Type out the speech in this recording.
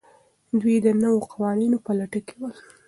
دوی د نویو قوانینو په لټه کې ول.